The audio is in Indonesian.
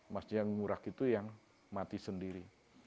maksudnya ngurak itu yang mati sendiri